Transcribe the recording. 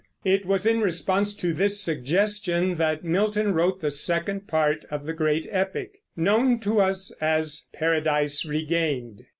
It was in response to this suggestion that Milton wrote the second part of the great epic, known to us as Paradise Regained.